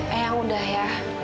ayang udah ya